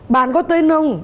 bạn có tên không